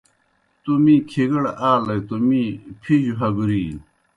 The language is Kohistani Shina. تُو می کِھگَڑ آلوئے توْ می پِھجوْ ہگُرِینوْ۔